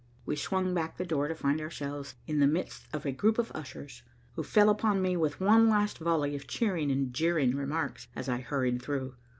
We swung back the door to find ourselves in the midst of a group of ushers, who fell upon me with one last volley of cheering and jeering remarks as I hurried through.